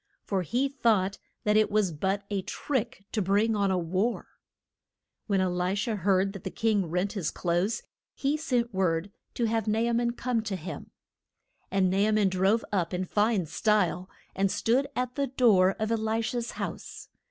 For he thought that it was but a trick to bring on a war. [Illustration: E LI SHA AND THE CHILD.] When E li sha heard that the king rent his clothes, he sent word to have Na a man come to him. And Na a man drove up in fine style, and stood at the door of E li sha's house.